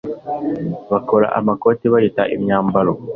Bakora amakote bayita imyambaro